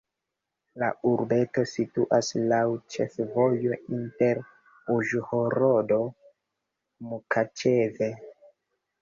La urbeto situas laŭ ĉefvojo inter Uĵhorodo-Mukaĉeve.